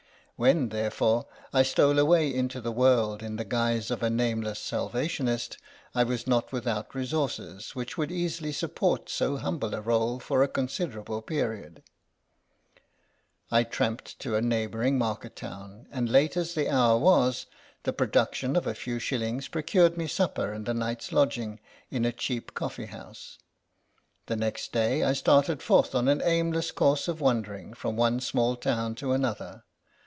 When, therefore, I stole away into the world in the guise of a name less Salvationist, I was not without resources which would easily support so humble a r61e for a considerable period. I tramped to a THE LOST SANJAK 17 neighbouring market town, and, late as the hour was, the production of a few shillings procured me supper and a night's lodging in a cheap coffee house. The next day I started forth on an aimless course of wander ing from one small town to another.